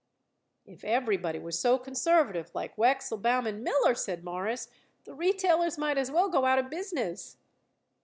"If everybody was so conservative like Wechsel, Baum & Miller," said Morris, "the retailers might as well go out of business."